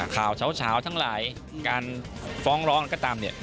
ข่าวเฉาทั้งหลายการฟ้องร้องอะไรก็ตามเนี่ย